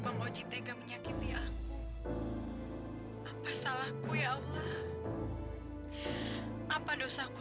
mari kita susahkan